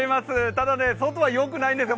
ただね、外はよくないんです。